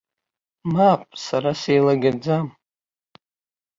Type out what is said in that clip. Мап, сара сеилагаӡам.